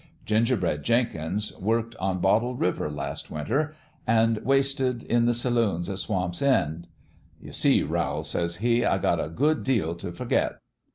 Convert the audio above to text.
Gingerbread Jenkins worked on Bottle River, last winter, an' wasted in the saloons o' Swamp's End. 'You see, Rowl,' says he, 'I got a good deal t' forget.'